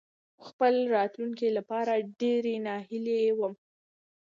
خپل راتلونکې لپاره ډېرې ناهيلې وم.